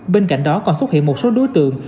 bên cạnh đó còn xuất hiện một số đối tượng